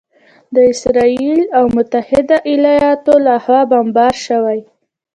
د اسراییل او متحده ایالاتو لخوا بمبار شوي